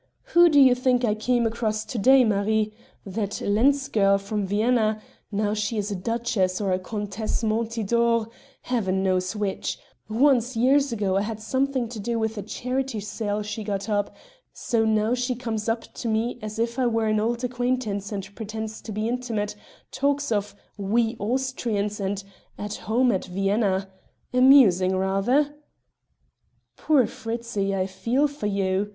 "Who do you think I came across to day, Marie? That Lenz girl from Vienna; now she is a duchess or a Countess Montidor Heaven knows which; once, years ago, I had something to do with a charity sale she got up, so now she comes up to me as if I were an old acquaintance and pretends to be intimate, talks of 'we Austrians,' and 'at home at Vienna.' Amusing, rather?" "Poor Fritzi! I feel for you!"